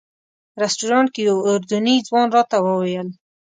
رسټورانټ کې یو اردني ځوان راته وویل.